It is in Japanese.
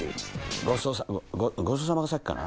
ごちそうさま「ごちそうさま」が先かな？